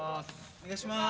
お願いします。